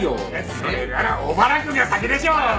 それなら小原くんが先でしょう！